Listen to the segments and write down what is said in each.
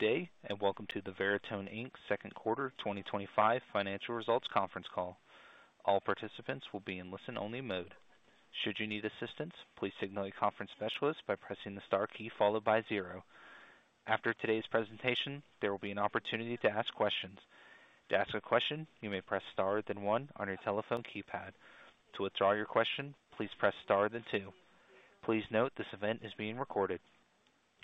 Today, and welcome to the Veritone, Inc. Second Quarter 2025 Financial Results Conference Call. All participants will be in listen-only mode. Should you need assistance, please signal a conference specialist by pressing the star key followed by zero. After today's presentation, there will be an opportunity to ask questions. To ask a question, you may press star then one on your telephone keypad. To withdraw your question, please press star then two. Please note this event is being recorded.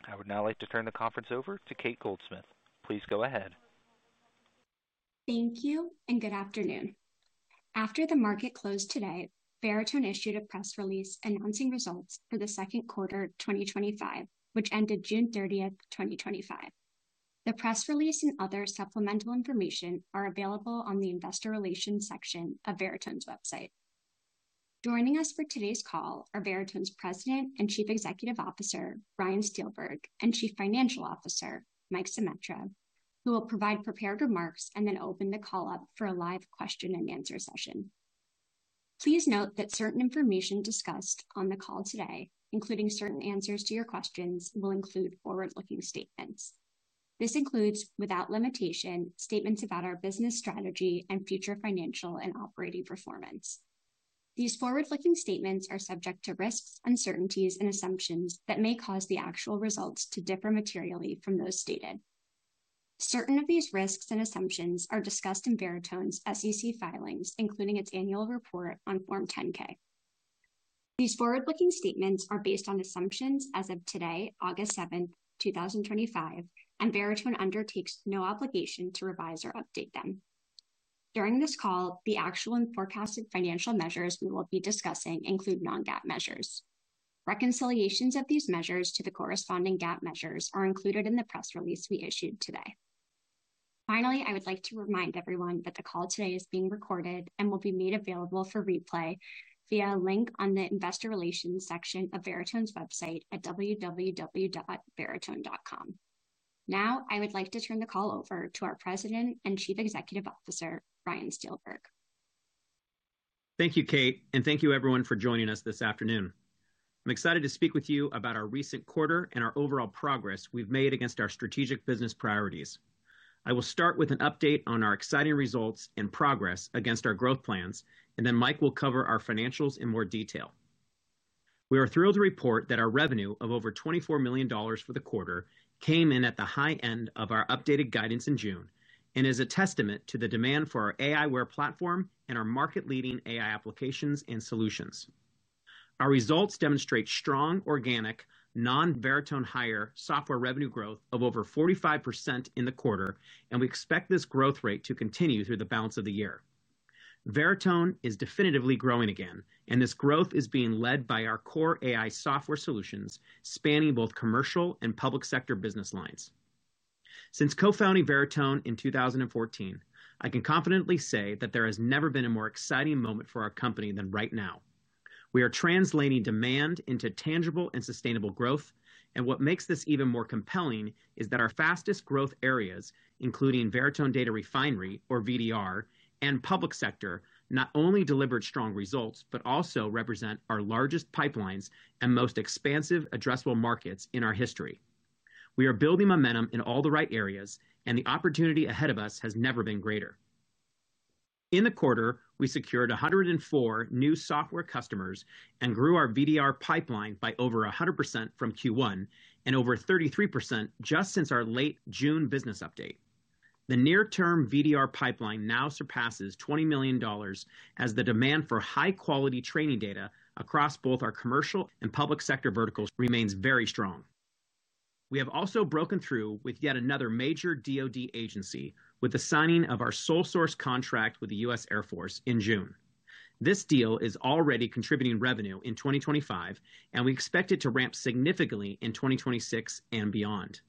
I would now like to turn the conference over to Cate Goldsmith. Please go ahead. Thank you, and good afternoon. After the market closed today, Veritone issued a press release announcing results for the second quarter of 2025, which ended June 30th, 2025. The press release and other supplemental information are available on the Investor Relations section of Veritone's website. Joining us for today's call are Veritone's President and Chief Executive Officer, Ryan Steelberg, and Chief Financial Officer, Mike Zemetra, who will provide prepared remarks and then open the call up for a live question-and-answer session. Please note that certain information discussed on the call today, including certain answers to your questions, will include forward-looking statements. This includes, without limitation, statements about our business strategy and future financial and operating performance. These forward-looking statements are subject to risks, uncertainties, and assumptions that may cause the actual results to differ materially from those stated. Certain of these risks and assumptions are discussed in Veritone's SEC filings, including its annual report on Form 10-K. These forward-looking statements are based on assumptions as of today, August 7th, 2025, and Veritone undertakes no obligation to revise or update them. During this call, the actual and forecasted financial measures we will be discussing include non-GAAP measures. Reconciliations of these measures to the corresponding GAAP measures are included in the press release we issued today. Finally, I would like to remind everyone that the call today is being recorded and will be made available for replay via a link on the Investor Relations section of Veritone's website at www.veritone.com. Now, I would like to turn the call over to our President and Chief Executive Officer, Ryan Steelberg. Thank you, Cate, and thank you everyone for joining us this afternoon. I'm excited to speak with you about our recent quarter and our overall progress we've made against our strategic business priorities. I will start with an update on our exciting results and progress against our growth plans, and then Mike will cover our financials in more detail. We are thrilled to report that our revenue of over $24 million for the quarter came in at the high end of our updated guidance in June and is a testament to the demand for our aiWARE platform and our market-leading AI applications and solutions. Our results demonstrate strong organic, non-Veritone Hire software revenue growth of over 45% in the quarter, and we expect this growth rate to continue through the balance of the year. Veritone is definitively growing again, and this growth is being led by our core AI software solutions, spanning both commercial and public sector business lines. Since co-founding Veritone in 2014, I can confidently say that there has never been a more exciting moment for our company than right now. We are translating demand into tangible and sustainable growth, and what makes this even more compelling is that our fastest growth areas, including Veritone Data Refinery, or VDR, and public sector, not only delivered strong results but also represent our largest pipelines and most expansive addressable markets in our history. We are building momentum in all the right areas, and the opportunity ahead of us has never been greater. In the quarter, we secured 104 new software customers and grew our VDR pipeline by over 100% from Q1 and over 33% just since our late June business update. The near-term VDR pipeline now surpasses $20 million, as the demand for high-quality training data across both our commercial and public sector verticals remains very strong. We have also broken through with yet another major DoD agency with the signing of our sole-source contract with the U.S. Air Force in June. This deal is already contributing revenue in 2025, and we expect it to ramp significantly in 2026 and beyond.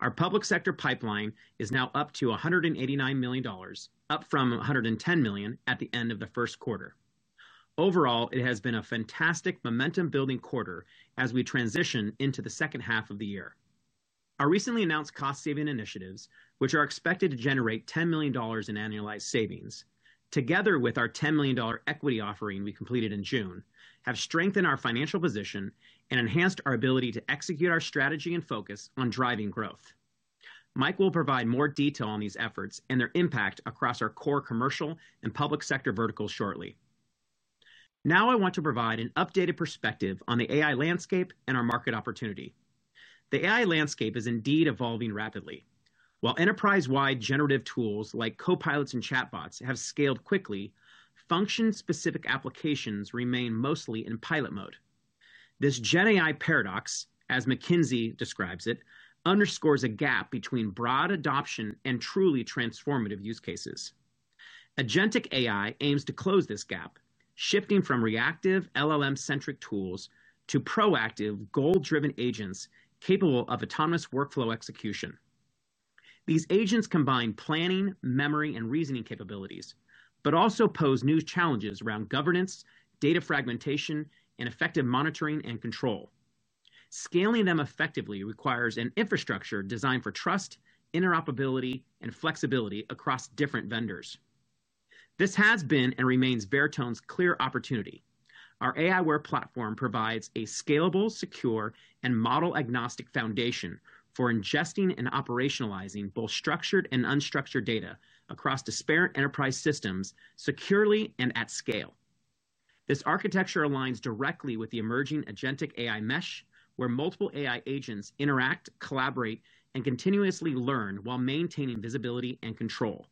Our public sector pipeline is now up to $189 million, up from $110 million at the end of the first quarter. Overall, it has been a fantastic momentum-building quarter as we transition into the second half of the year. Our recently announced cost-saving initiatives, which are expected to generate $10 million in annualized savings, together with our $10 million equity offering we completed in June, have strengthened our financial position and enhanced our ability to execute our strategy and focus on driving growth. Mike will provide more detail on these efforts and their impact across our core commercial and public sector verticals shortly. Now, I want to provide an updated perspective on the AI landscape and our market opportunity. The AI landscape is indeed evolving rapidly. While enterprise-wide generative tools like copilots and chatbots have scaled quickly, function-specific applications remain mostly in pilot mode. This GenAI paradox, as McKinsey describes it, underscores a gap between broad adoption and truly transformative use cases. Agentic AI aims to close this gap, shifting from reactive LLM-centric tools to proactive, goal-driven agents capable of autonomous workflow execution. These agents combine planning, memory, and reasoning capabilities, but also pose new challenges around governance, data fragmentation, and effective monitoring and control. Scaling them effectively requires an infrastructure designed for trust, interoperability, and flexibility across different vendors. This has been and remains Veritone's clear opportunity. Our aiWARE platform provides a scalable, secure, and model-agnostic foundation for ingesting and operationalizing both structured and unstructured data across disparate enterprise systems securely and at scale. This architecture aligns directly with the emerging Agentic AI mesh, where multiple AI agents interact, collaborate, and continuously learn while maintaining visibility and control.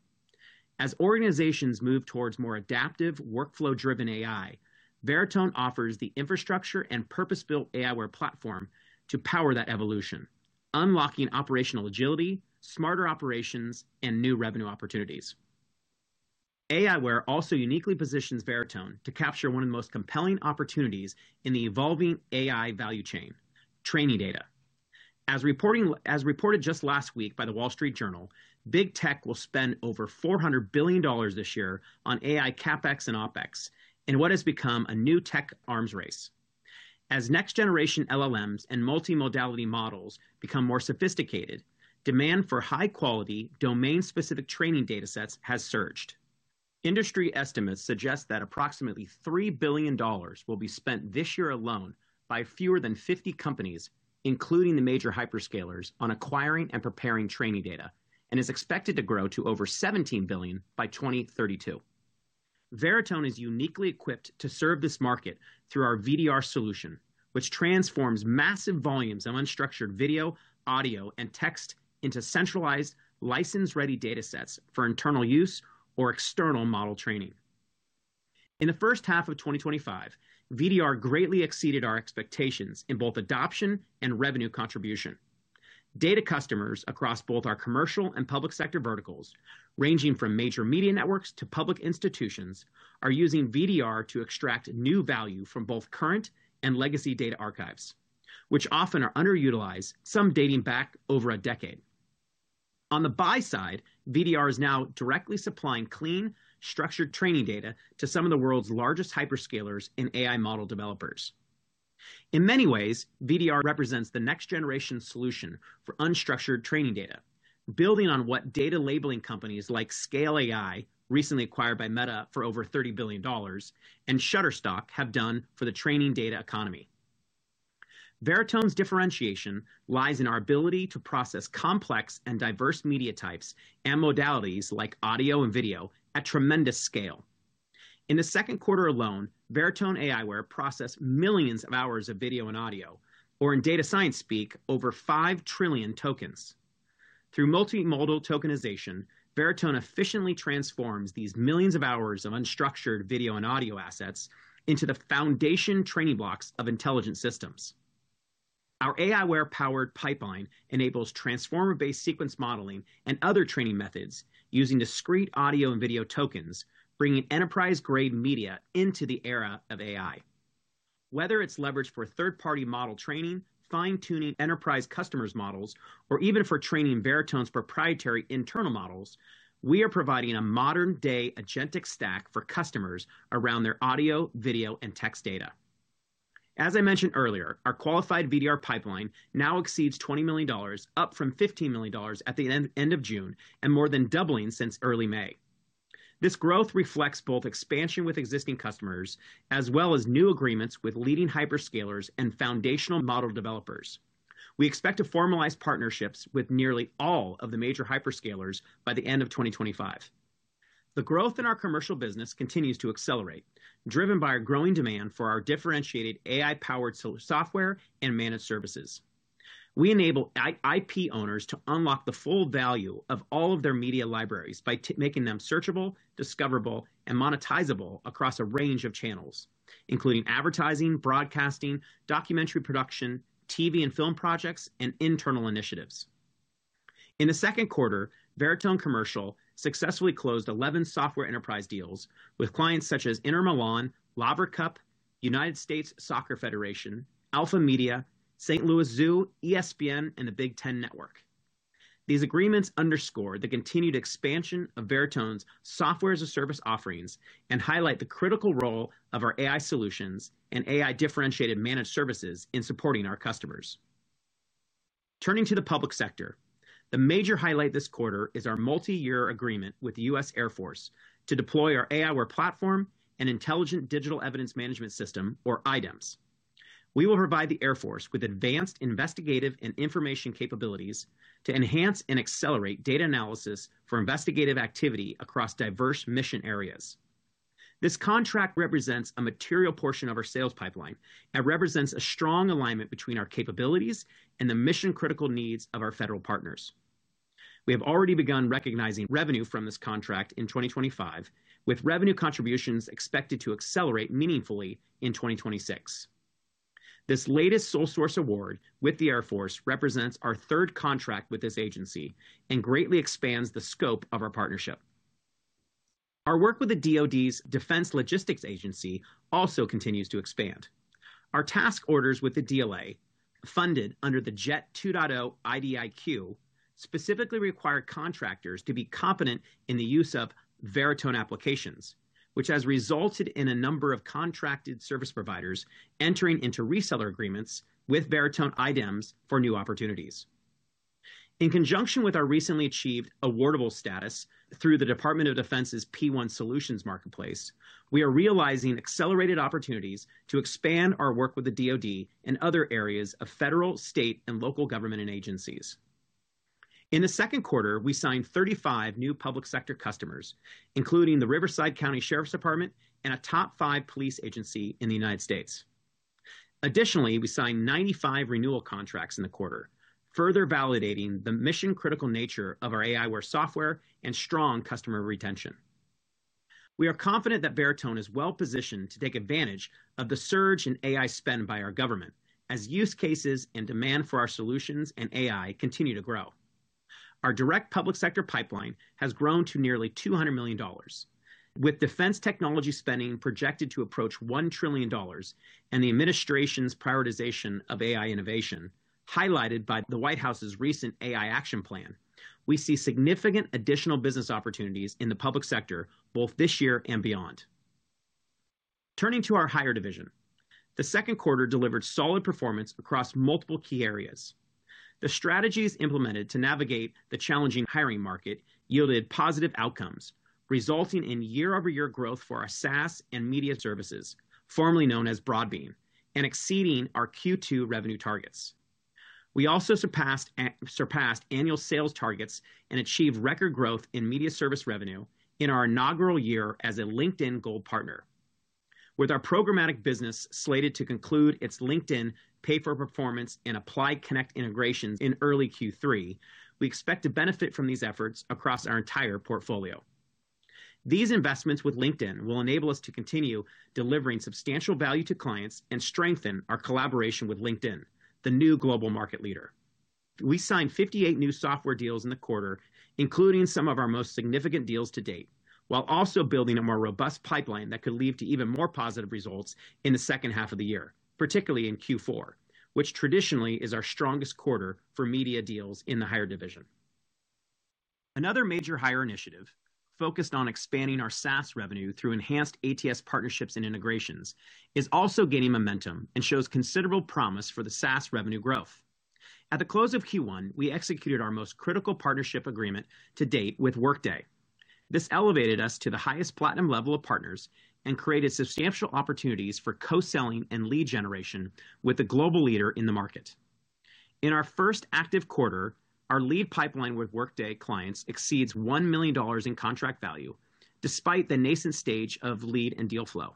As organizations move towards more adaptive, workflow-driven AI, Veritone offers the infrastructure and purpose-built aiWARE platform to power that evolution, unlocking operational agility, smarter operations, and new revenue opportunities. aiWARE also uniquely positions Veritone to capture one of the most compelling opportunities in the evolving AI value chain: training data. As reported just last week by the Wall Street Journal, big tech will spend over $400 billion this year on AI CapEx and OpEx in what has become a new tech arms race. As next-generation LLMs and multimodality models become more sophisticated, demand for high-quality, domain-specific training datasets has surged. Industry estimates suggest that approximately $3 billion will be spent this year alone by fewer than 50 companies, including the major hyperscalers, on acquiring and preparing training data and is expected to grow to over $17 billion by 2032. Veritone is uniquely equipped to serve this market through our VDR solution, which transforms massive volumes of unstructured video, audio, and text into centralized, license-ready datasets for internal use or external model training. In the first half of 2025, VDR greatly exceeded our expectations in both adoption and revenue contribution. Data customers across both our commercial and public sector verticals, ranging from major media networks to public institutions, are using VDR to extract new value from both current and legacy data archives, which often are underutilized, some dating back over a decade. On the buy side, VDR is now directly supplying clean, structured training data to some of the world's largest hyperscalers and AI model developers. In many ways, VDR represents the next-generation solution for unstructured training data, building on what data labeling companies like ScaleAI, recently acquired by Meta for over $30 billion, and Shutterstock have done for the training data economy. Veritone's differentiation lies in our ability to process complex and diverse media types and modalities, like audio and video, at tremendous scale. In the second quarter alone, Veritone aiWARE processed millions of hours of video and audio, or in data science speak, over 5 trillion tokens. Through multimodal tokenization, Veritone efficiently transforms these millions of hours of unstructured video and audio assets into the foundation training blocks of intelligent systems. Our aiWARE-powered pipeline enables transformer-based sequence modeling and other training methods using discrete audio and video tokens, bringing enterprise-grade media into the era of AI. Whether it's leveraged for third-party model training, fine-tuning enterprise customers' models, or even for training Veritone's proprietary internal models, we are providing a modern-day Agentic stack for customers around their audio, video, and text data. As I mentioned earlier, our qualified VDR pipeline now exceeds $20 million, up from $15 million at the end of June and more than doubling since early May. This growth reflects both expansion with existing customers as well as new agreements with leading hyperscalers and foundational model developers. We expect to formalize partnerships with nearly all of the major hyperscalers by the end of 2025. The growth in our commercial business continues to accelerate, driven by a growing demand for our differentiated AI-powered software and managed services. We enable IP owners to unlock the full value of all of their media libraries by making them searchable, discoverable, and monetizable across a range of channels, including advertising, broadcasting, documentary production, TV and film projects, and internal initiatives. In the second quarter, Veritone Commercial successfully closed 11 software enterprise deals with clients such as Inter Milan, Lavra Cup, United States Soccer Federation, Alpha Media, St. Louis Zoo, ESPN, and the Big Ten Network. These agreements underscore the continued expansion of Veritone's software-as-a-service offerings and highlight the critical role of our AI solutions and AI-differentiated managed services in supporting our customers. Turning to the public sector, the major highlight this quarter is our multi-year agreement with the U.S. Air Force to deploy our aiWARE platform and Intelligent Digital Evidence Management System, or IDEMS. We will provide the Air Force with advanced investigative and information capabilities to enhance and accelerate data analysis for investigative activity across diverse mission areas. This contract represents a material portion of our sales pipeline and represents a strong alignment between our capabilities and the mission-critical needs of our federal partners. We have already begun recognizing revenue from this contract in 2025, with revenue contributions expected to accelerate meaningfully in 2026. This latest sole-source award with the Air Force represents our third contract with this agency and greatly expands the scope of our partnership. Our work with the DoD's Defense Logistics Agency also continues to expand. Our task orders with the DLA, funded under the JET 2.0 IDIQ, specifically require contractors to be competent in the use of Veritone applications, which has resulted in a number of contracted service providers entering into reseller agreements with Veritone IDEMS for new opportunities. In conjunction with our recently achieved awardable status through the Department of Defense's P1 Solutions Marketplace, we are realizing accelerated opportunities to expand our work with the DoD and other areas of federal, state, and local government agencies. In the second quarter, we signed 35 new public sector customers, including the Riverside County Sheriff's Department and a top five police agency in the United States. Additionally, we signed 95 renewal contracts in the quarter, further validating the mission-critical nature of our aiWARE software and strong customer retention. We are confident that Veritone is well-positioned to take advantage of the surge in AI spend by our government, as use cases and demand for our solutions and AI continue to grow. Our direct public sector pipeline has grown to nearly $200 million, with defense technology spending projected to approach $1 trillion and the administration's prioritization of AI innovation highlighted by the White House's recent AI Action Plan. We see significant additional business opportunities in the public sector both this year and beyond. Turning to our Hire division, the second quarter delivered solid performance across multiple key areas. The strategies implemented to navigate the challenging hiring market yielded positive outcomes, resulting in year-over-year growth for our SaaS and media services, formerly known as Broadbean, and exceeding our Q2 revenue targets. We also surpassed annual sales targets and achieved record growth in media service revenue in our inaugural year as a LinkedIn Gold partner. With our programmatic business slated to conclude its LinkedIn Pay for Performance and Apply Connect integrations in early Q3, we expect to benefit from these efforts across our entire portfolio. These investments with LinkedIn will enable us to continue delivering substantial value to clients and strengthen our collaboration with LinkedIn, the new global market leader. We signed 58 new software deals in the quarter, including some of our most significant deals to date, while also building a more robust pipeline that could lead to even more positive results in the second half of the year, particularly in Q4, which traditionally is our strongest quarter for media deals in the Hire division. Another major Hire initiative focused on expanding our SaaS revenue through enhanced ATS partnerships and integrations is also gaining momentum and shows considerable promise for the SaaS revenue growth. At the close of Q1, we executed our most critical partnership agreement to date with Workday. This elevated us to the highest platinum level of partners and created substantial opportunities for co-selling and lead generation with the global leader in the market. In our first active quarter, our lead pipeline with Workday clients exceeds $1 million in contract value, despite the nascent stage of lead and deal flow.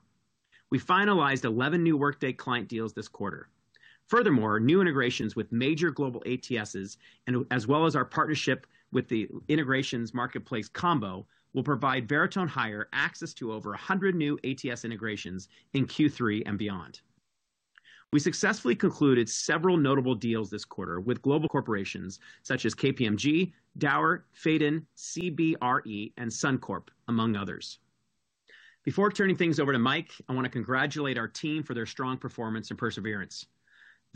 We finalized 11 new Workday client deals this quarter. Furthermore, new integrations with major global ATSs, as well as our partnership with the Integrations Marketplace combo, will provide Veritone Hire access to over 100 new ATS integrations in Q3 and beyond. We successfully concluded several notable deals this quarter with global corporations such as KPMG, Dauer, Faden, CBRE, and Suncorp, among others. Before turning things over to Mike, I want to congratulate our team for their strong performance and perseverance.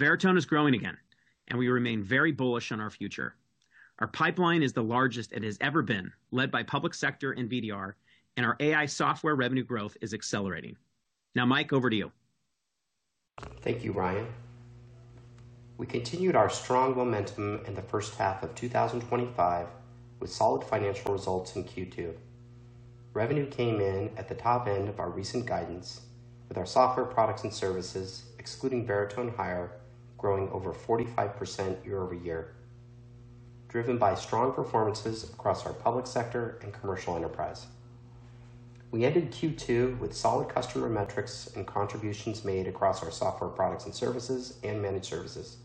Veritone is growing again, and we remain very bullish on our future. Our pipeline is the largest it has ever been, led by public sector and VDR, and our AI software revenue growth is accelerating. Now, Mike, over to you. Thank you, Ryan. We continued our strong momentum in the first half of 2025 with solid financial results in Q2. Revenue came in at the top end of our recent guidance, with our software products and services, excluding Veritone Hire, growing over 45% year-over-year, driven by strong performances across our public sector and commercial enterprise. We ended Q2 with solid customer metrics and contributions made across our software products and services and managed services.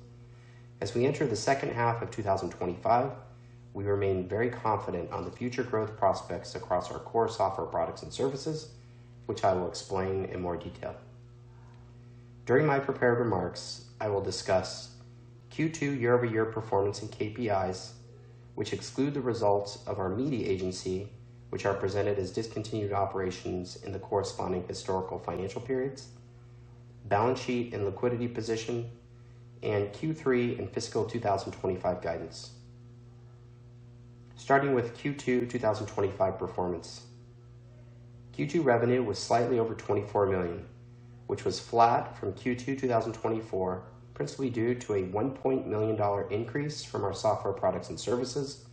As we enter the second half of 2025, we remain very confident on the future growth prospects across our core software products and services, which I will explain in more detail. During my prepared remarks, I will discuss Q2 year-over-year performance and KPIs, which exclude the results of our media agency, which are presented as discontinued operations in the corresponding historical financial periods, balance sheet and liquidity position, and Q3 and fiscal 2025 guidance. Starting with Q2 2025 performance, Q2 revenue was slightly over $24 million, which was flat from Q2 2024, principally due to a $1.0 million increase from our software products and services,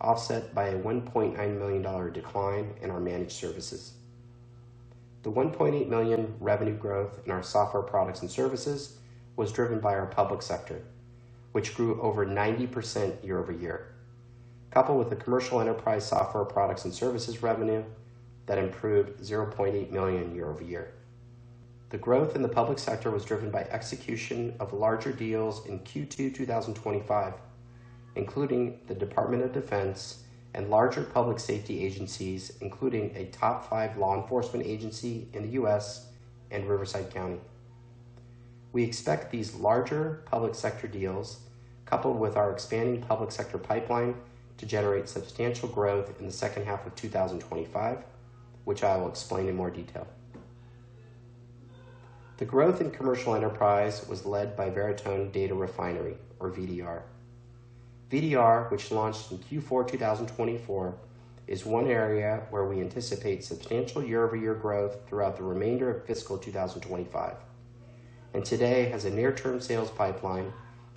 offset by a $1.9 million decline in our managed services. The $1.8 million revenue growth in our software products and services was driven by our public sector, which grew over 90% year-over-year, coupled with the commercial enterprise software products and services revenue that improved $0.8 million year-over-year. The growth in the public sector was driven by execution of larger deals in Q2 2025, including the Department of Defense and larger public safety agencies, including a top five law enforcement agency in the U.S. and Riverside County. We expect these larger public sector deals, coupled with our expanding public sector pipeline, to generate substantial growth in the second half of 2025, which I will explain in more detail. The growth in commercial enterprise was led by Veritone Data Refinery, or VDR. VDR, which launched in Q4 2024, is one area where we anticipate substantial year-over-year growth throughout the remainder of fiscal 2025 and today has a near-term sales pipeline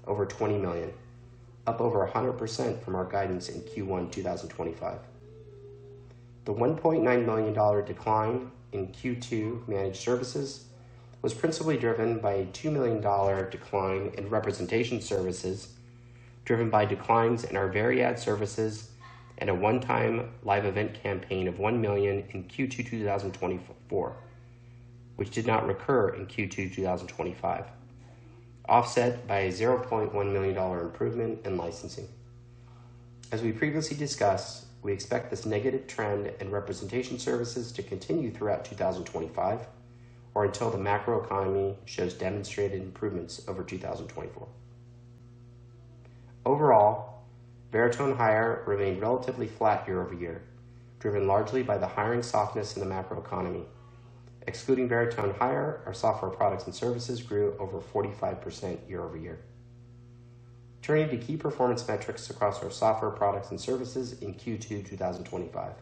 over $20 million, up over 100% from our guidance in Q1 2025. The $1.9 million decline in Q2 managed services was principally driven by a $2 million decline in representation services, driven by declines in our Veritone ad services and a one-time live event campaign of $1 million in Q2 2024, which did not recur in Q2 2025, offset by a $0.1 million improvement in licensing. As we previously discussed, we expect this negative trend in representation services to continue throughout 2025 or until the macroeconomy shows demonstrated improvements over 2024. Overall, Veritone Hire remained relatively flat year-over-year, driven largely by the hiring softness in the macroeconomy. Excluding Veritone Hire, our software products and services grew over 45% year-over-year. Turning to key performance metrics across our software products and services in Q2 2025,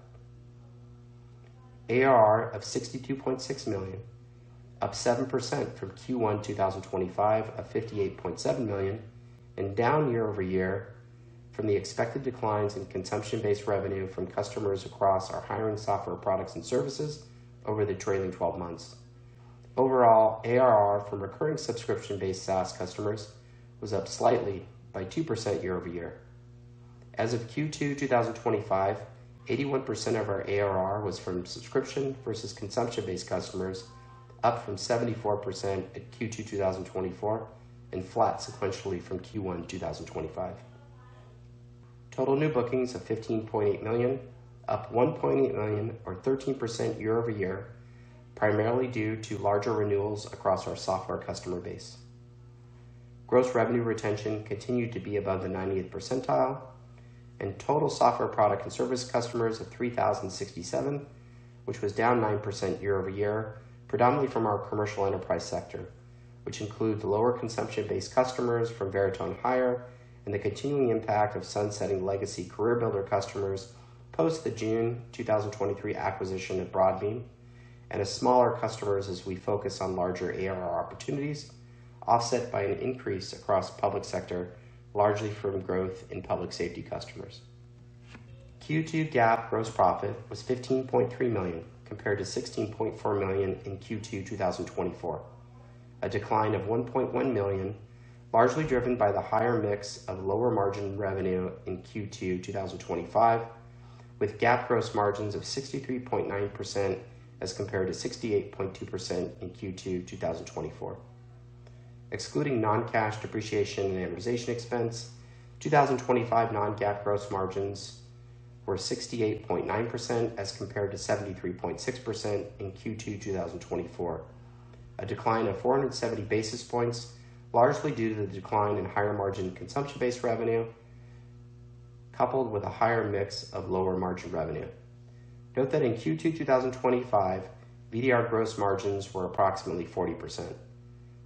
ARR of $62.6 million, up 7% from Q1 2025 of $58.7 million, and down year-over-year from the expected declines in consumption-based revenue from customers across our hiring software products and services over the trailing 12 months. Overall, ARR from recurring subscription-based SaaS customers was up slightly by 2% year-over-year. As of Q2 2025, 81% of our ARR was from subscription versus consumption-based customers, up from 74% at Q2 2024 and flat sequentially from Q1 2025. Total new bookings of $15.8 million, up $1.8 million, or 13% year-over-year, primarily due to larger renewals across our software customer base. Gross revenue retention continued to be above the 90th percentile, and total software product and service customers at 3,067, which was down 9% year-over-year, predominantly from our commercial enterprise sector, which include the lower consumption-based customers from Veritone Hire and the continuing impact of sunsetting legacy CareerBuilder customers post the June 2023 acquisition of Broadbean and smaller customers as we focus on larger ARR opportunities, offset by an increase across public sector, largely from growth in public safety customers. Q2 GAAP gross profit was $15.3 million compared to $16.4 million in Q2 2024, a decline of $1.1 million, largely driven by the higher mix of lower margin revenue in Q2 2025, with GAAP gross margins of 63.9% as compared to 68.2% in Q2 2024. Excluding non-cash depreciation and amortization expense, 2025 non-GAAP gross margins were 68.9% as compared to 73.6% in Q2 2024, a decline of 470 basis points, largely due to the decline in higher margin consumption-based revenue, coupled with a higher mix of lower margin revenue. Note that in Q2 2025, VDR gross margins were approximately 40%.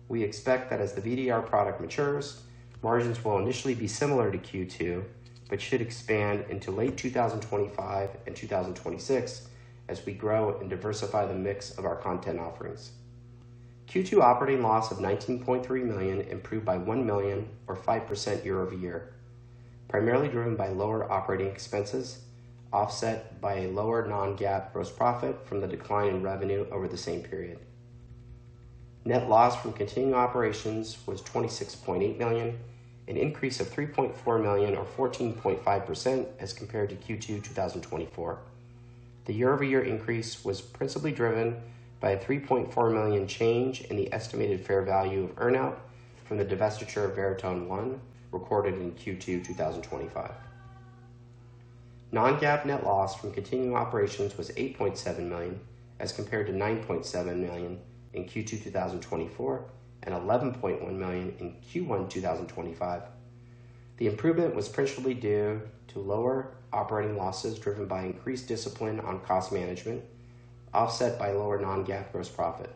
We expect that as the VDR product matures, margins will initially be similar to Q2 but should expand into late 2025 and 2026 as we grow and diversify the mix of our content offerings. Q2 operating loss of $19.3 million improved by $1 million, or 5% year-over-year, primarily driven by lower operating expenses, offset by a lower non-GAAP gross profit from the decline in revenue over the same period. Net loss from continuing operations was $26.8 million, an increase of $3.4 million, or 14.5% as compared to Q2 2024. The year-over-year increase was principally driven by a $3.4 million change in the estimated fair value of earnout from the divestiture of Veritone One recorded in Q2 2025. Non-GAAP net loss from continuing operations was $8.7 million as compared to $9.7 million in Q2 2024 and $11.1 million in Q1 2025. The improvement was principally due to lower operating losses driven by increased discipline on cost management, offset by lower non-GAAP gross profit.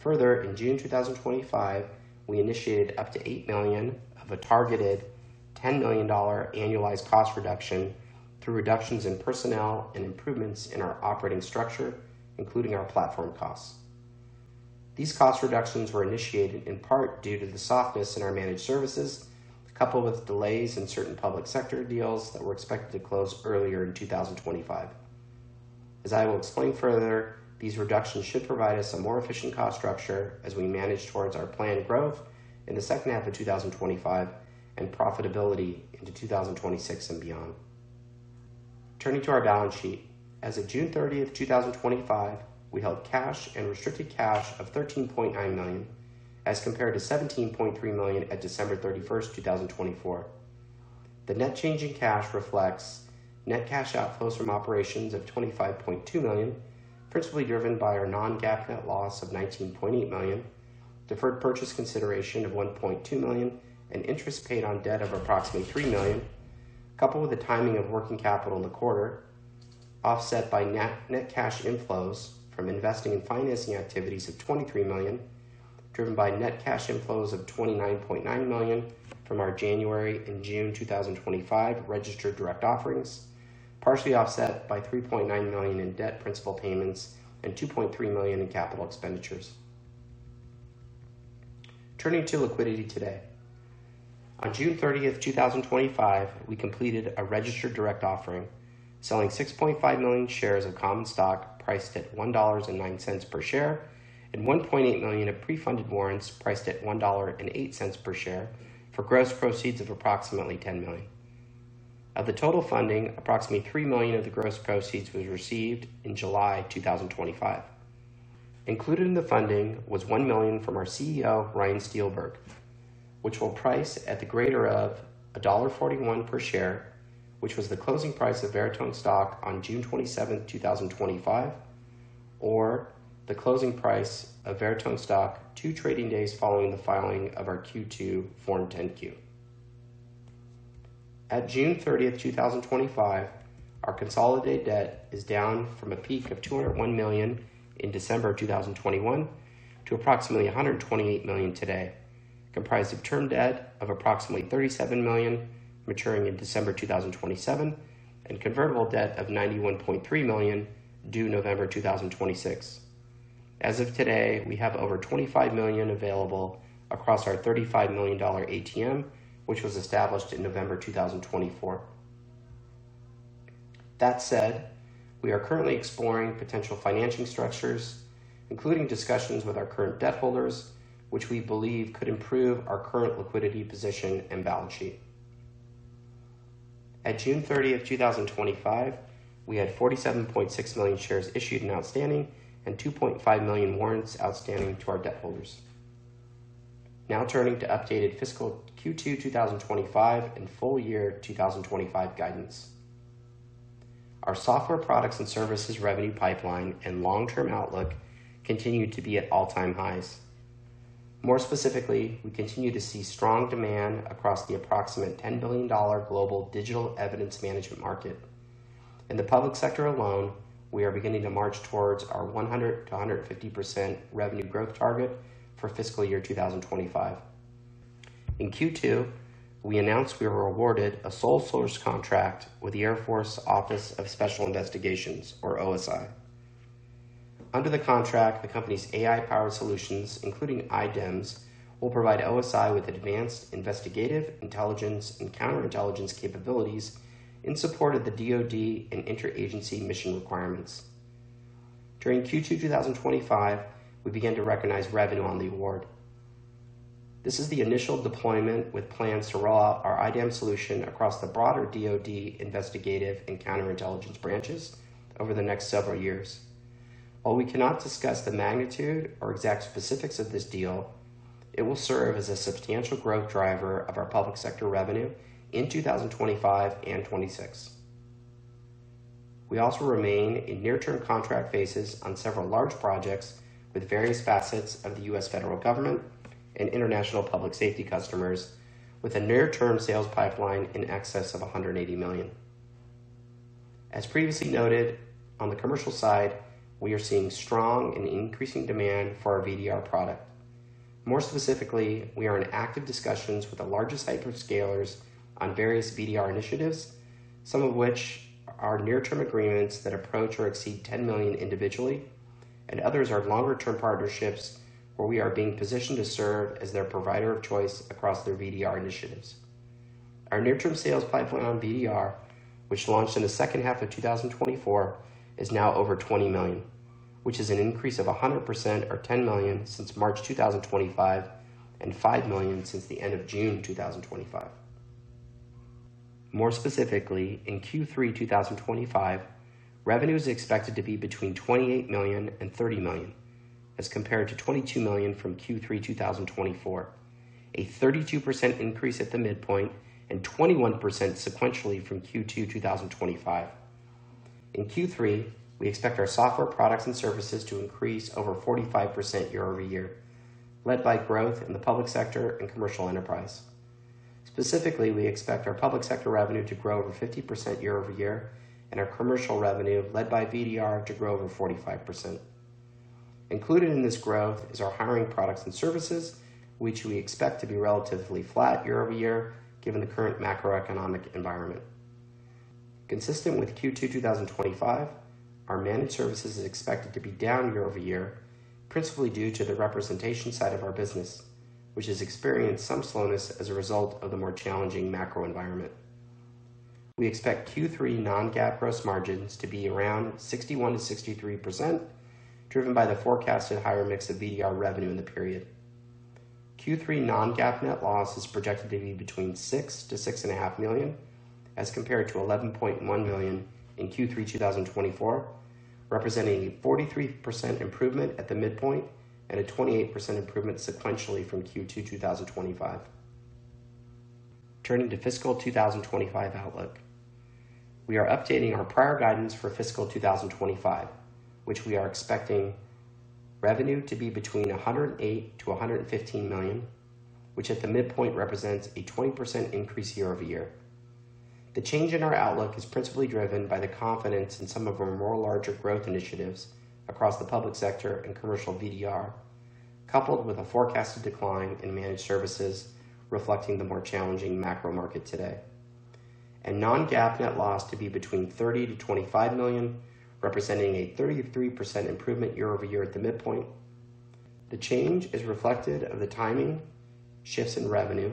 Further, in June 2025, we initiated up to $8 million of a targeted $10 million annualized cost reduction through reductions in personnel and improvements in our operating structure, including our platform costs. These cost reductions were initiated in part due to the softness in our managed services, coupled with delays in certain public sector deals that were expected to close earlier in 2025. As I will explain further, these reductions should provide us a more efficient cost structure as we manage towards our planned growth in the second half of 2025 and profitability into 2026 and beyond. Turning to our balance sheet, as of June 30, 2025, we held cash and restricted cash of $13.9 million as compared to $17.3 million at December 31, 2024. The net change in cash reflects net cash outflows from operations of $25.2 million, principally driven by our non-GAAP net loss of $19.8 million, deferred purchase consideration of $1.2 million, and interest paid on debt of approximately $3 million, coupled with the timing of working capital in the quarter, offset by net cash inflows from investing and financing activities of $23 million, driven by net cash inflows of $29.9 million from our January and June 2025 registered direct offerings, partially offset by $3.9 million in debt principal payments and $2.3 million in capital expenditures. Turning to liquidity today, on June 30, 2025, we completed a registered direct offering selling 6.5 million shares of common stock priced at $1.09 per share and $1.8 million of pre-funded warrants priced at $1.08 per share for gross proceeds of approximately $10 million. Of the total funding, approximately $3 million of the gross proceeds was received in July 2025. Included in the funding was $1 million from our CEO, Ryan Steelberg, which will price at the greater of $1.41 per share, which was the closing price of Veritone stock on June 27, 2025, or the closing price of Veritone stock two trading days following the filing of our Q2 Form 10-Q. At June 30, 2025, our consolidated debt is down from a peak of $201 million in December 2021 to approximately $128 million today, comprised of term debt of approximately $37 million maturing in December 2027 and convertible debt of $91.3 million due November 2026. As of today, we have over $25 million available across our $35 million ATM, which was established in November 2024. That said, we are currently exploring potential financing structures, including discussions with our current debt holders, which we believe could improve our current liquidity position and balance sheet. At June 30, 2025, we had 47.6 million shares issued and outstanding and 2.5 million warrants outstanding to our debt holders. Now turning to updated fiscal Q2 2025 and full year 2025 guidance, our software products and services revenue pipeline and long-term outlook continue to be at all-time highs. More specifically, we continue to see strong demand across the approximate $10 billion global digital evidence management market. In the public sector alone, we are beginning to march towards our 100% to 150% revenue growth target for fiscal year 2025. In Q2, we announced we were awarded a sole-source contract with the Air Force Office of Special Investigations, or OSI. Under the contract, the company's AI-powered solutions, including IDEMS, will provide OSI with advanced investigative intelligence and counterintelligence capabilities in support of the DoD and interagency mission requirements. During Q2 2025, we began to recognize revenue on the award. This is the initial deployment with plans to route our IDEMS solution across the broader DoD investigative and counterintelligence branches over the next several years. While we cannot discuss the magnitude or exact specifics of this deal, it will serve as a substantial growth driver of our public sector revenue in 2025 and 2026. We also remain in near-term contract phases on several large projects with various facets of the U.S. federal government and international public safety customers, with a near-term sales pipeline in excess of $180 million. As previously noted, on the commercial side, we are seeing strong and increasing demand for our VDR product. More specifically, we are in active discussions with the largest hyperscalers on various VDR initiatives, some of which are near-term agreements that approach or exceed $10 million individually, and others are longer-term partnerships where we are being positioned to serve as their provider of choice across their VDR initiatives. Our near-term sales pipeline on VDR, which launched in the second half of 2024, is now over $20 million, which is an increase of 100% or $10 million since March 2025 and $5 million since the end of June 2025. More specifically, in Q3 2025, revenue is expected to be between $28 million and $30 million as compared to $22 million from Q3 2024, a 32% increase at the midpoint and 21% sequentially from Q2 2025. In Q3, we expect our software products and services to increase over 45% year-over-year, led by growth in the public sector and commercial enterprise. Specifically, we expect our public sector revenue to grow over 50% year-over-year and our commercial revenue, led by VDR, to grow over 45%. Included in this growth is our hiring products and services, which we expect to be relatively flat year-over-year given the current macroeconomic environment. Consistent with Q2 2025, our managed services is expected to be down year-over-year, principally due to the representation side of our business, which has experienced some slowness as a result of the more challenging macro environment. We expect Q3 non-GAAP gross margins to be around 61%-63%, driven by the forecasted higher mix of VDR revenue in the period. Q3 non-GAAP net loss is projected to be between $6 million-$6.5 million, as compared to $11.1 million in Q3 2024, representing a 43% improvement at the midpoint and a 28% improvement sequentially from Q2 2025. Turning to fiscal 2025 outlook, we are updating our prior guidance for fiscal 2025, which we are expecting revenue to be between $108 million-$115 million, which at the midpoint represents a 20% increase year-over-year. The change in our outlook is principally driven by the confidence in some of our more larger growth initiatives across the public sector and commercial VDR, coupled with a forecasted decline in managed services reflecting the more challenging macro market today, and non-GAAP net loss to be between $30 million-$25 million, representing a 33% improvement year-over-year at the midpoint. The change is reflective of the timing shifts in revenue,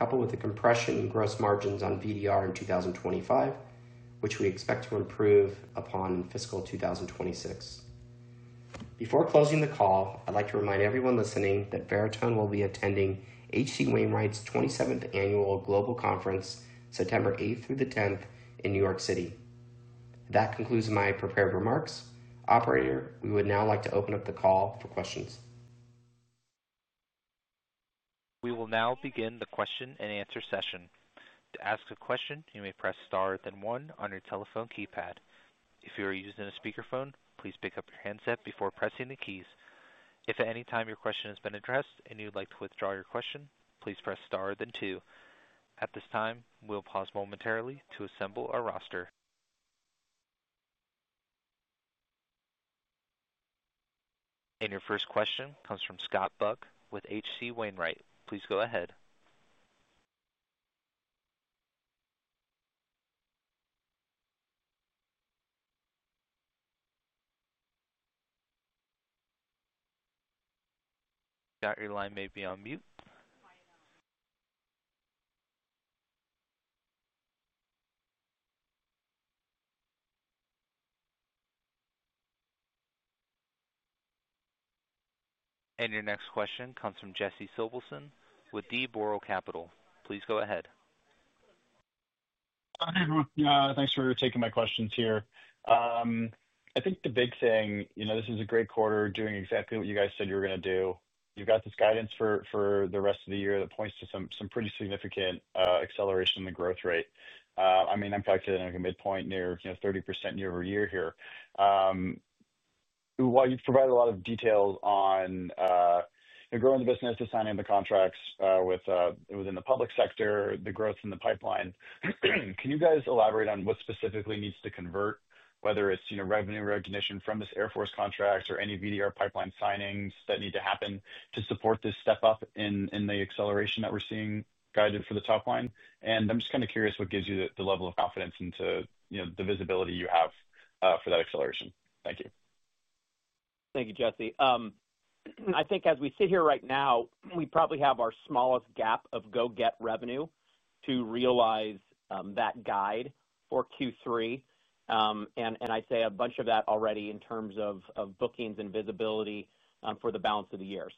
coupled with the compression in gross margins on VDR in 2025, which we expect to improve upon in fiscal 2026. Before closing the call, I'd like to remind everyone listening that Veritone will be attending H.C. Wainwright's 27th annual Global Conference, September 8th through the 10th in New York City. That concludes my prepared remarks. Operator, we would now like to open up the call for questions. We will now begin the question and answer session. To ask a question, you may press star then one on your telephone keypad. If you are using a speakerphone, please pick up your handset before pressing the keys. If at any time your question has been addressed and you would like to withdraw your question, please press star then two. At this time, we'll pause momentarily to assemble a roster. Your first question comes from Scott Buck with H.C. Wainwright. Please go ahead. Scott, your line may be on mute. Your next question comes from Jesse Sobelson with D. Boral Capital. Please go ahead. Hi, yeah, thanks for taking my questions here. I think the big thing, you know, this is a great quarter doing exactly what you guys said you were going to do. You've got this guidance for the rest of the year that points to some pretty significant acceleration in the growth rate. I mean, I'm calculating a midpoint near, you know, 30% year-over-year here. While you've provided a lot of details on growing the business, assigning the contracts within the public sector, the growth in the pipeline, can you guys elaborate on what specifically needs to convert, whether it's, you know, revenue recognition from this Air Force contract or any VDR pipeline signings that need to happen to support this step up in the acceleration that we're seeing guided for the top line? I'm just kind of curious what gives you the level of confidence into the visibility you have for that acceleration. Thank you. Thank you, Jesse. I think as we sit here right now, we probably have our smallest gap of go get revenue to realize that guide for Q3. I'd say a bunch of that already in terms of bookings and visibility for the balance of the year.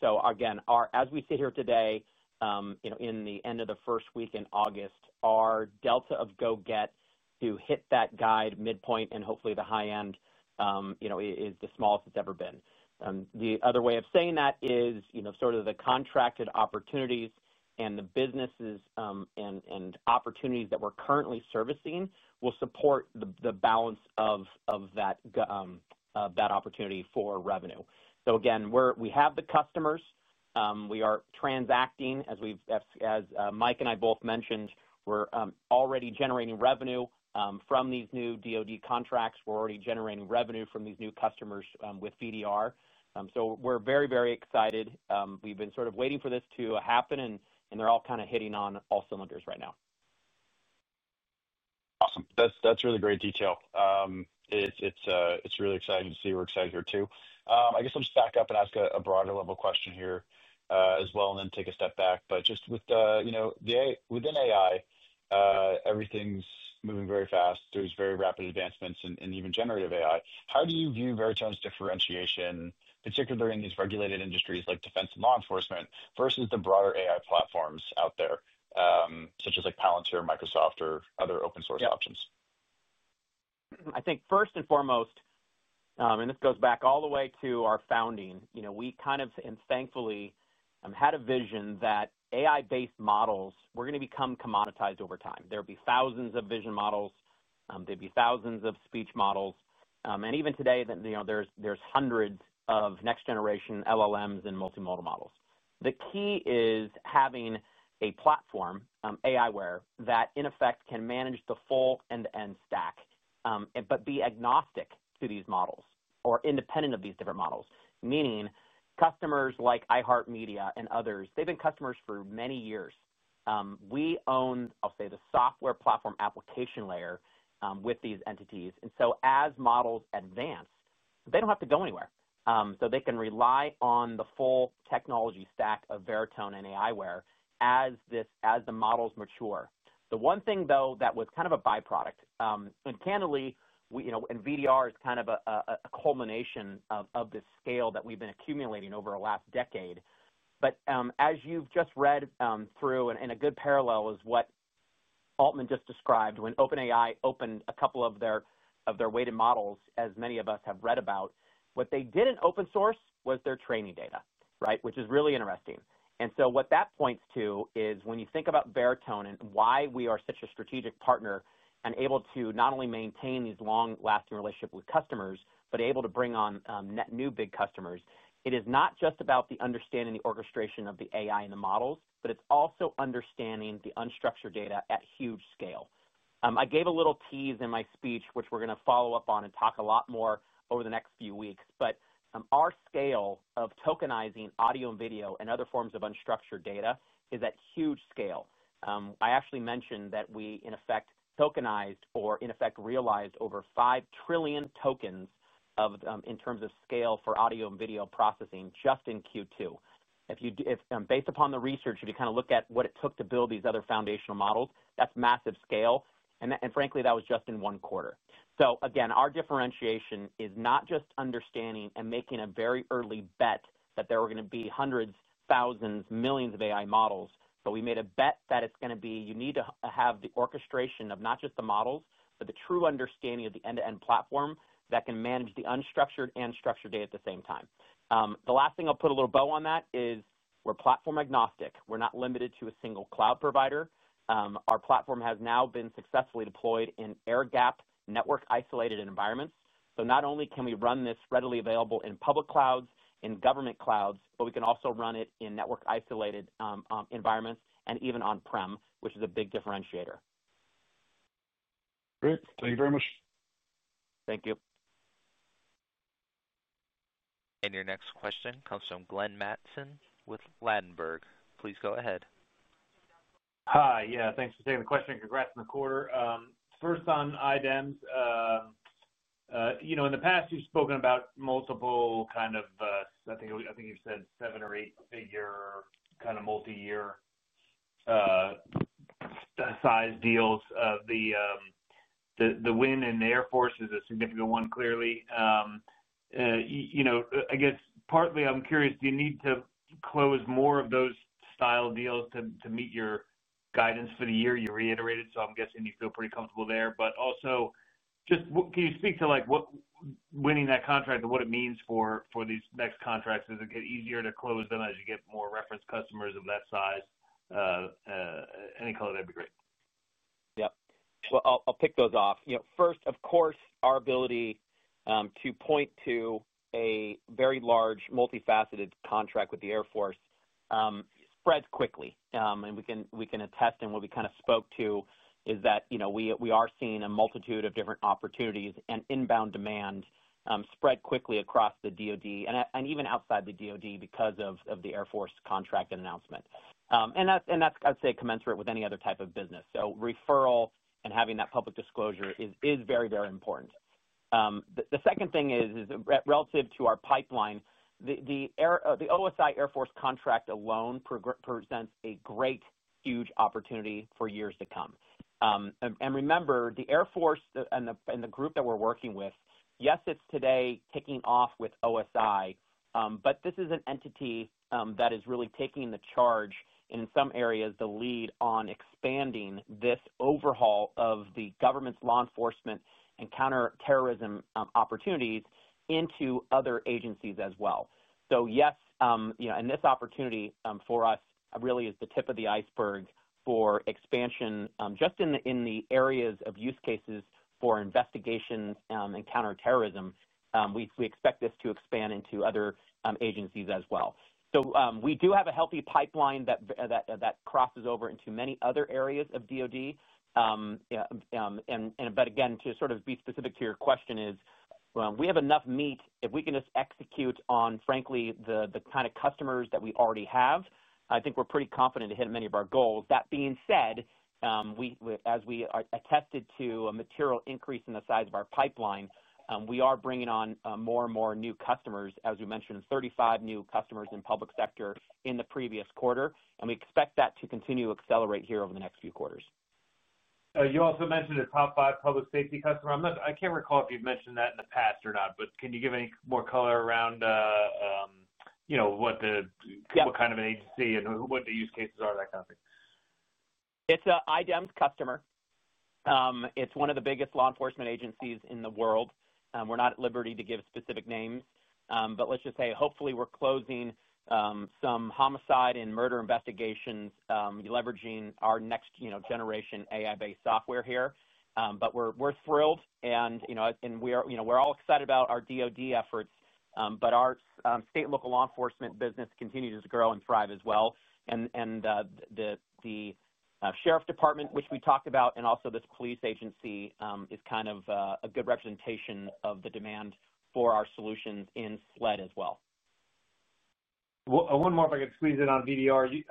As we sit here today, in the end of the first week in August, our delta of go get to hit that guide midpoint and hopefully the high end is the smallest it's ever been. The other way of saying that is, sort of the contracted opportunities and the businesses and opportunities that we're currently servicing will support the balance of that opportunity for revenue. We have the customers. We are transacting, as Mike and I both mentioned, we're already generating revenue from these new DoD contracts. We're already generating revenue from these new customers with VDR. We're very, very excited. We've been sort of waiting for this to happen, and they're all kind of hitting on all cylinders right now. That's really great detail. It's really exciting to see. We're excited here too. I guess I'll just back up and ask a broader level question here as well, then take a step back. Just within AI, everything's moving very fast. There's very rapid advancements in even generative AI. How do you view Veritone's differentiation, particularly in these regulated industries like defense and law enforcement versus the broader AI platforms out there, such as Palantir, Microsoft, or other open source options? I think first and foremost, and this goes back all the way to our founding, we kind of, and thankfully, had a vision that AI-based models were going to become commoditized over time. There would be thousands of vision models. There'd be thousands of speech models. Even today, there's hundreds of next-generation LLMs and multimodal models. The key is having a platform, aiWARE, that in effect can manage the full end-to-end stack, but be agnostic to these models or independent of these different models, meaning customers like iHeartMedia and others, they've been customers for many years. We own, I'll say, the software platform application layer with these entities. As models advanced, they don't have to go anywhere. They can rely on the full technology stack of Veritone and aiWARE as the models mature. One thing that was kind of a byproduct, and candidly, VDR is kind of a culmination of this scale that we've been accumulating over the last decade. As you've just read through, a good parallel is what Altman just described when OpenAI opened a couple of their weighted models, as many of us have read about. What they didn't open source was their training data, which is really interesting. What that points to is when you think about Veritone and why we are such a strategic partner and able to not only maintain these long-lasting relationships with customers, but able to bring on net new big customers, it is not just about understanding the orchestration of the AI and the models, but it's also understanding the unstructured data at huge scale. I gave a little tease in my speech, which we're going to follow up on and talk a lot more over the next few weeks, but our scale of tokenizing audio and video and other forms of unstructured data is at huge scale. I actually mentioned that we, in effect, tokenized or, in effect, realized over 5 trillion tokens in terms of scale for audio and video processing just in Q2. Based upon the research, if you kind of look at what it took to build these other foundational models, that's massive scale. Frankly, that was just in one quarter. Our differentiation is not just understanding and making a very early bet that there were going to be hundreds, thousands, millions of AI models, but we made a bet that you need to have the orchestration of not just the models, but the true understanding of the end-to-end platform that can manage the unstructured and structured data at the same time. The last thing I'll put a little bow on that is we're platform agnostic. We're not limited to a single cloud provider. Our platform has now been successfully deployed in air-gapped, network-isolated environments. Not only can we run this readily available in public clouds, in government clouds, but we can also run it in network-isolated environments and even on-prem, which is a big differentiator. Great, thank you very much. Thank you. Your next question comes from Glenn Mattson with Ladenburg. Please go ahead. Hi, yeah, thanks for taking the question. Congrats on the quarter. First on IDEMS, in the past, you've spoken about multiple kind of, I think you've said seven or eight-figure kind of multi-year size deals. The win in the Air Force is a significant one, clearly. I guess partly I'm curious, do you need to close more of those style deals to meet your guidance for the year? You reiterated, so I'm guessing you feel pretty comfortable there. Also, can you speak to what winning that contract and what it means for these next contracts? Does it get easier to close them as you get more reference customers of that size? Any color, that'd be great. Yeah, I'll pick those off. First, of course, our ability to point to a very large, multifaceted contract with the Air Force spreads quickly. We can attest, and what we kind of spoke to is that we are seeing a multitude of different opportunities and inbound demand spread quickly across the DoD and even outside the DoD because of the Air Force contract and announcement. That's, I'd say, commensurate with any other type of business. Referral and having that public disclosure is very, very important. The second thing is relative to our pipeline, the OSI Air Force contract alone presents a great, huge opportunity for years to come. Remember, the Air Force and the group that we're working with, yes, it's today kicking off with OSI, but this is an entity that is really taking the charge and in some areas, the lead on expanding this overhaul of the government's law enforcement and counterterrorism opportunities into other agencies as well. Yes, this opportunity for us really is the tip of the iceberg for expansion just in the areas of use cases for investigation and counterterrorism. We expect this to expand into other agencies as well. We do have a healthy pipeline that crosses over into many other areas of DoD. Again, to sort of be specific to your question, we have enough meat if we can just execute on, frankly, the kind of customers that we already have. I think we're pretty confident to hit many of our goals. That being said, as we attested to a material increase in the size of our pipeline, we are bringing on more and more new customers, as you mentioned, 35 new customers in the public sector in the previous quarter. We expect that to continue to accelerate here over the next few quarters. You also mentioned a top five public safety customer. I can't recall if you've mentioned that in the past or not, but can you give any more color around what the kind of an agency and what the use cases are, that kind of thing? It's an IDEMS customer. It's one of the biggest law enforcement agencies in the world. We're not at liberty to give specific names, but let's just say hopefully we're closing some homicide and murder investigations leveraging our next generation AI-based software here. We're thrilled, and we are all excited about our DoD efforts. Our state and local law enforcement business continues to grow and thrive as well. The Sheriff's Department, which we talked about, and also this police agency is kind of a good representation of the demand for our solutions in SLED as well. One more if I could squeeze in on VDR.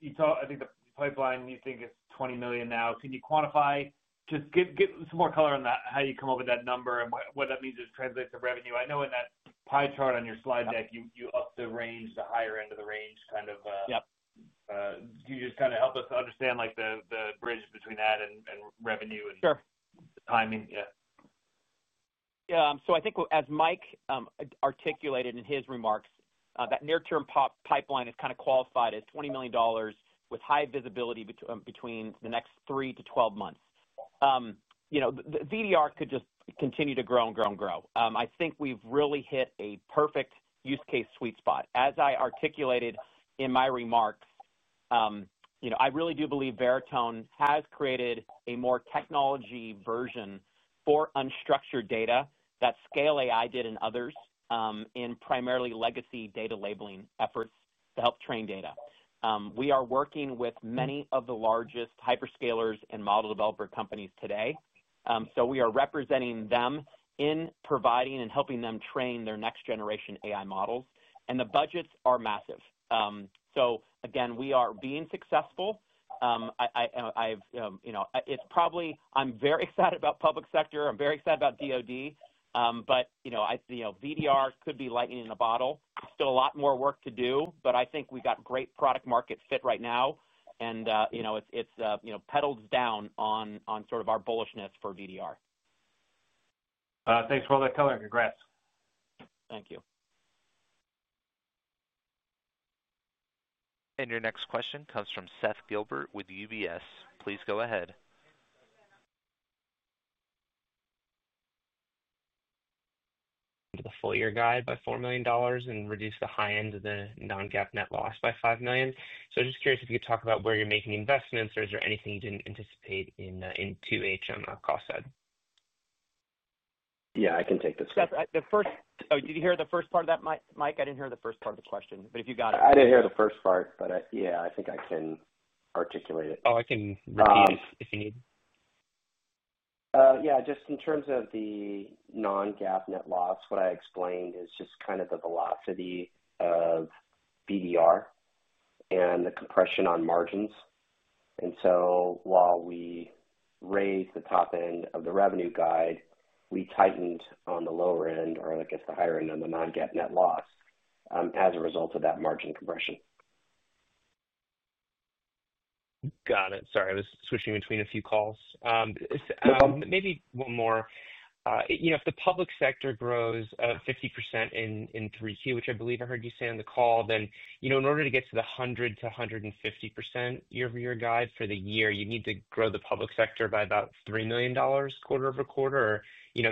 You talk, I think the pipeline you think is $20 million now. Can you quantify, just get some more color on that, how you come up with that number and what that means as it translates to revenue? I know in that pie chart on your slide deck, you upped the range, the higher end of the range kind of. Yep. Can you just kind of help us understand the bridge between that and revenue and timing? Yeah, so I think as Mike Zemetra articulated in his remarks, that near-term pipeline is kind of qualified as $20 million with high visibility between the next 3 months-12 months. VDR could just continue to grow and grow and grow. I think we've really hit a perfect use case sweet spot. As I articulated in my remarks, I really do believe Veritone has created a more technology version for unstructured data than ScaleAI did and others in primarily legacy data labeling efforts to help train data. We are working with many of the largest hyperscalers and model developer companies today. We are representing them in providing and helping them train their next-generation AI models, and the budgets are massive. We are being successful. I'm very excited about public sector. I'm very excited about DoD. VDR could be lightning in a bottle. Still a lot more work to do, but I think we got great product-market fit right now. It's pedaled down on sort of our bullishness for VDR. Thanks for all that color and congrats. Thank you. Your next question comes from Seth Gilbert with UBS. Please go ahead. The full year guide by $4 million and reduce the high end of the non-GAAP net loss by $5 million. I'm just curious if you could talk about where you're making investments or if there is anything you didn't anticipate in 2H on the cost side? Yeah, I can take this. Did you hear the first part of that, Mike? I didn't hear the first part of the question, but if you got it. I didn't hear the first part, but yeah, I think I can articulate it. I can repeat if you need. Yeah, just in terms of the non-GAAP net loss, what I explained is just kind of the velocity of VDR and the compression on margins. While we raised the top end of the revenue guide, we tightened on the lower end, or I guess the higher end on the non-GAAP net loss, as a result of that margin compression. Got it. Sorry, I was switching between a few calls. No problem. Maybe one more. If the public sector grows 50% in 3Q, which I believe I heard you say on the call, then in order to get to the 100%-150% year-over-year guide for the year, you need to grow the public sector by about $3 million quarter over quarter or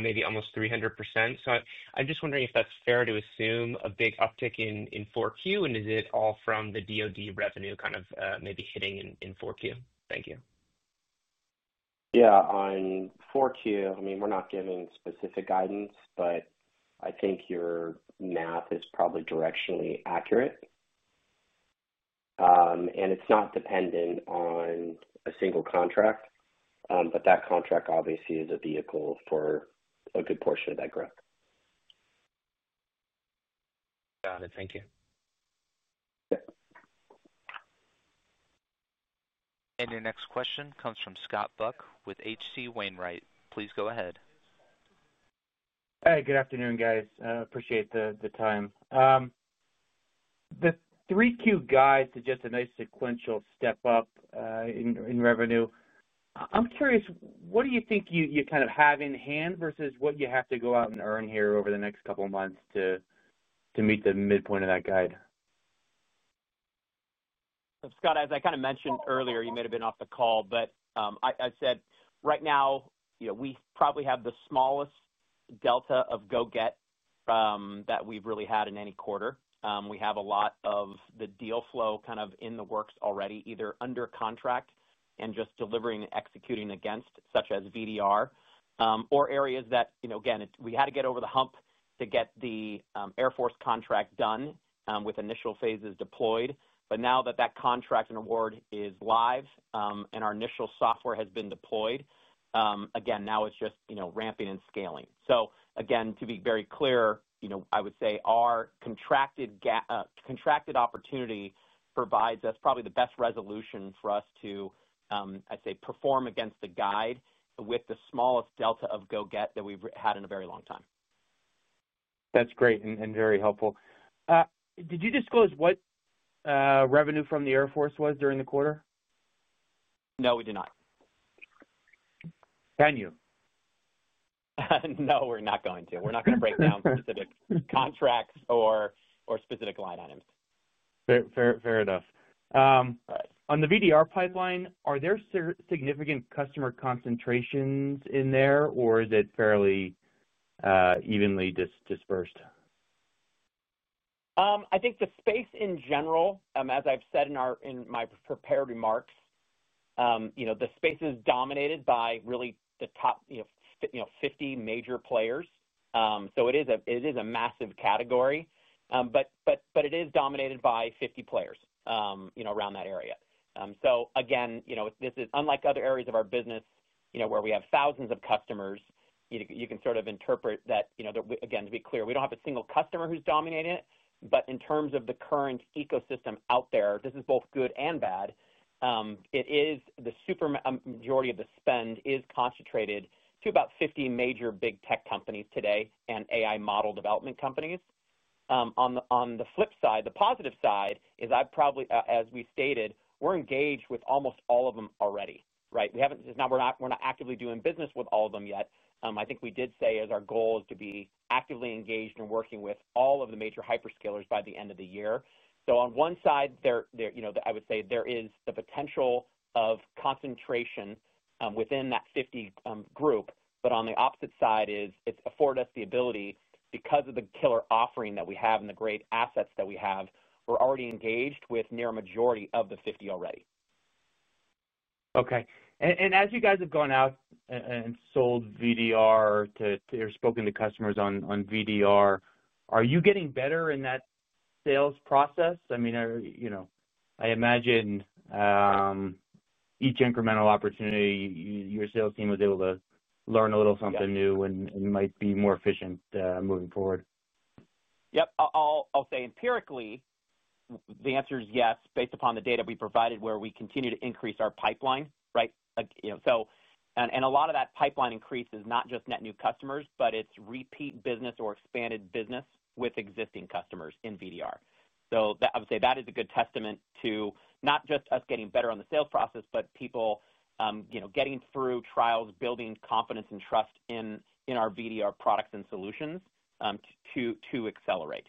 maybe almost 300%. I'm just wondering if that's fair to assume a big uptick in 4Q and is it all from the DoD revenue kind of maybe hitting in 4Q? Thank you. Yeah, on 4Q, I mean, we're not giving specific guidance, but I think your math is probably directionally accurate. It's not dependent on a single contract, but that contract obviously is a vehicle for a good portion of that growth. Got it. Thank you. Your next question comes from Scott Buck with H.C. Wainwright. Please go ahead. Hey, good afternoon, guys. Appreciate the time. The 3Q guide suggests a nice sequential step up in revenue. I'm curious, what do you think you have in hand versus what you have to go out and earn here over the next couple of months to meet the midpoint of that guide? Scott, as I mentioned earlier, you may have been off the call, but I said right now, you know, we probably have the smallest delta of go get that we've really had in any quarter. We have a lot of the deal flow in the works already, either under contract and just delivering and executing against, such as VDR, or areas that, you know, we had to get over the hump to get the Air Force contract done with initial phases deployed. Now that that contract and award is live and our initial software has been deployed, it's just ramping and scaling. To be very clear, I would say our contracted opportunity provides us probably the best resolution for us to perform against the guide with the smallest delta of go get that we've had in a very long time. That's great and very helpful. Did you disclose what revenue from the Air Force was during the quarter? No, we did not. Can you? No, we're not going to. We're not going to break down specific contracts or specific line items. Fair enough. On the VDR pipeline, are there significant customer concentrations in there, or is it fairly evenly dispersed? I think the space in general, as I've said in my prepared remarks, the space is dominated by really the top 50 major players. It is a massive category, but it is dominated by 50 players around that area. This is unlike other areas of our business where we have thousands of customers. You can sort of interpret that. To be clear, we don't have a single customer who's dominating it. In terms of the current ecosystem out there, this is both good and bad. The majority of the spend is concentrated to about 50 major big tech companies today and AI model development companies. On the flip side, the positive side is, as we stated, we're engaged with almost all of them already, right? We're not actively doing business with all of them yet. Our goal is to be actively engaged in working with all of the major hyperscalers by the end of the year. There is the potential of concentration within that 50 group. On the opposite side, it's afforded us the ability, because of the killer offering that we have and the great assets that we have, we're already engaged with near a majority of the 50 already. Okay. As you guys have gone out and sold VDR to or spoken to customers on VDR, are you getting better in that sales process? I mean, I imagine each incremental opportunity, your sales team is able to learn a little something new and might be more efficient moving forward. I'll say empirically, the answer is yes, based upon the data we provided where we continue to increase our pipeline, right? A lot of that pipeline increase is not just net new customers, but it's repeat business or expanded business with existing customers in VDR. I would say that is a good testament to not just us getting better on the sales process, but people getting through trials, building confidence and trust in our VDR products and solutions to accelerate.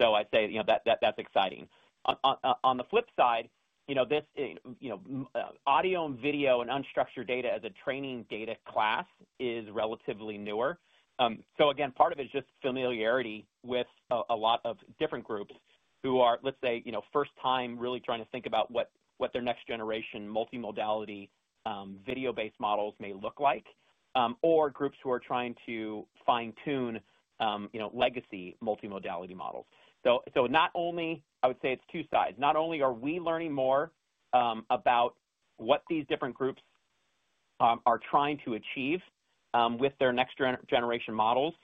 I'd say that's exciting. On the flip side, audio and video and unstructured data as a training data class is relatively newer. Part of it is just familiarity with a lot of different groups who are, let's say, first time really trying to think about what their next generation multimodality video-based models may look like, or groups who are trying to fine-tune legacy multimodality models. I would say it's two sides. Not only are we learning more about what these different groups are trying to achieve with their next generation models,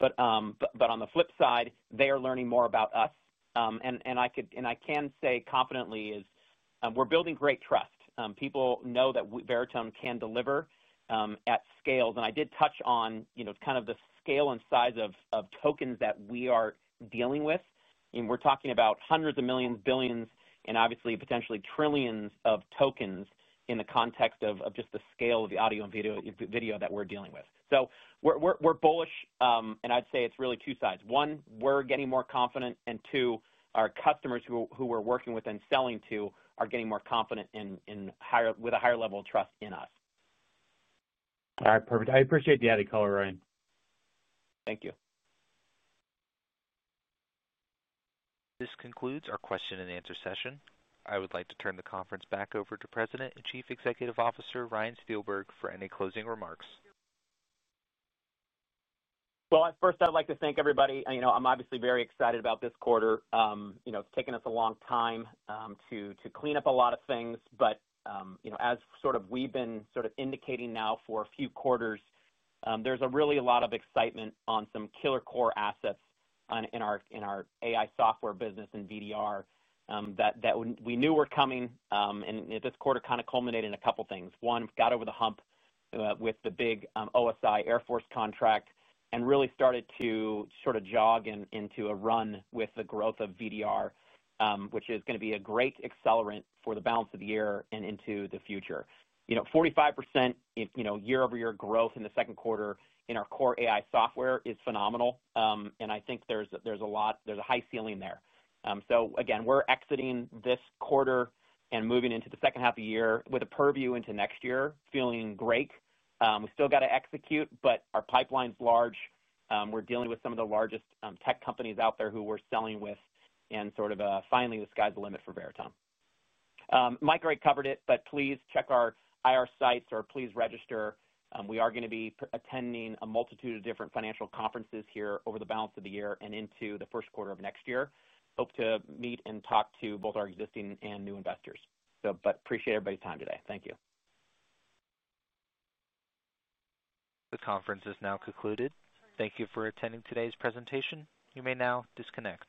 but on the flip side, they are learning more about us. I can say confidently we're building great trust. People know that Veritone can deliver at scales. I did touch on the scale and size of tokens that we are dealing with. We're talking about hundreds of millions, billions, and obviously potentially trillions of tokens in the context of just the scale of the audio and video that we're dealing with. We're bullish, and I'd say it's really two sides. One, we're getting more confident, and two, our customers who we're working with and selling to are getting more confident with a higher level of trust in us. Perfect. I appreciate the added color, Ryan. Thank you. This concludes our question and answer session. I would like to turn the conference back over to President and Chief Executive Officer Ryan Steelberg for any closing remarks. First, I'd like to thank everybody. I'm obviously very excited about this quarter. It's taken us a long time to clean up a lot of things, but as we've been indicating now for a few quarters, there's really a lot of excitement on some killer core assets in our AI software business and VDR that we knew were coming. This quarter kind of culminated in a couple of things. One, got over the hump with the big IDEMS Air Force contract and really started to jog into a run with the growth of VDR, which is going to be a great accelerant for the balance of the year and into the future. 45% year-over-year growth in the second quarter in our core AI software is phenomenal. I think there's a high ceiling there. We're exiting this quarter and moving into the second half of the year with a purview into next year, feeling great. We still got to execute, but our pipeline's large. We're dealing with some of the largest tech companies out there who we're selling with and finally the sky's the limit for Veritone. Mike already covered it, but please check our IR sites or please register. We are going to be attending a multitude of different financial conferences here over the balance of the year and into the first quarter of next year. Hope to meet and talk to both our existing and new investors. Appreciate everybody's time today. Thank you. The conference is now concluded. Thank you for attending today's presentation. You may now disconnect.